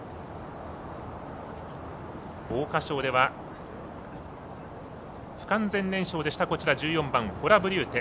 桜花賞では不完全燃焼でした１４番のフォラブリューテ。